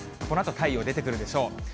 このあと太陽出てくるでしょう。